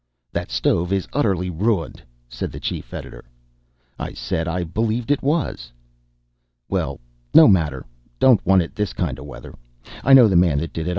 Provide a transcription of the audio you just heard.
"That stove is utterly ruined," said the chief editor. I said I believed it was. "Well, no matter don't want it this kind of weather. I know the man that did it.